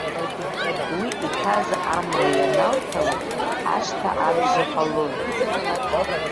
Уи иҭаз амра ианалҭалак, ашҭа абжа ҟалон.